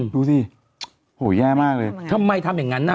ดูสิโหแย่มากเลยทำไมทำอย่างนั้นน่ะ